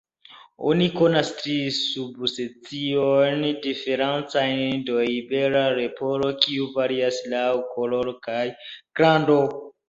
Oni konas tri subspeciojn diferencajn de Iberia leporo, kiuj varias laŭ koloro kaj grando.